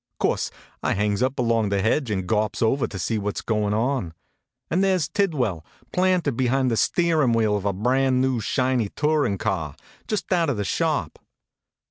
Course, I hangs up along the hedge and gawps over to see what s goin on. And there s Tidwell, planted behind the steer ing wheel of a brand new, shiny tourin car, just out of the shop.